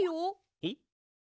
えっ！？